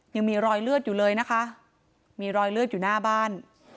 ยังมีรอยเลือดอยู่เลยนะคะมีรอยเลือดอยู่หน้าบ้าน